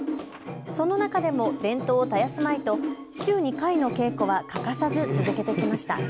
その中でも伝統を絶やすまいと週２回の稽古は欠かさず続けてきました。